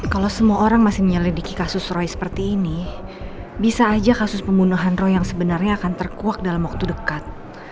kalau semua orang masih menyelidiki kasus roy seperti ini bisa aja kasus pembunuhan roy yang sebenarnya akan terkuak dalam waktu dekat